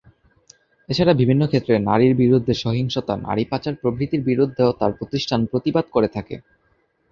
এছাড়া বিভিন্ন ক্ষেত্রে নারীর বিরুদ্ধে সহিংসতা, নারী পাচার প্রভৃতির বিরুদ্ধেও তার প্রতিষ্ঠান প্রতিবাদ করে থাকে।